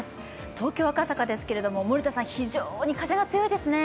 東京・赤坂ですけれども森田さん、非常に風が強いですね。